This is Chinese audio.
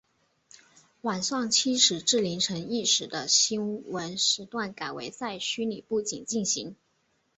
晚上七时至凌晨一时的新闻时段改为在虚拟布景进行。